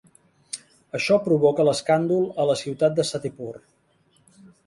Això provoca l'escàndol a la ciutat de Satipur.